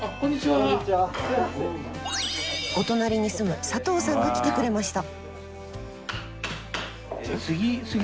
お隣に住む佐藤さんが来てくれました！